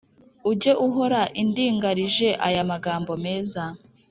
Ujye uhora indingarije aya magambo meza